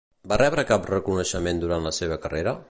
Va rebre cap reconeixement durant la seva carrera?